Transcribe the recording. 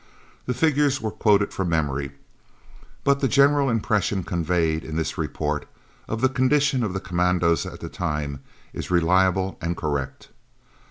The figures were quoted from memory, but the general impression conveyed in this report, of the condition of the commandos at the time, is reliable and correct.